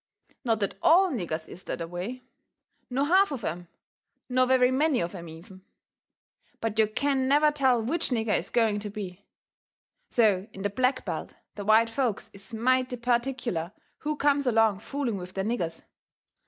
Not that ALL niggers is that a way, nor HALF of 'em, nor very MANY of 'em, even but you can never tell WHICH nigger is going to be. So in the black belt the white folks is mighty pertic'ler who comes along fooling with their niggers.